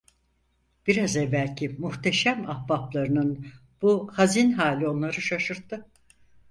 Biraz evvelki muhteşem ahbaplarının bu hazin hali onları şaşırttı.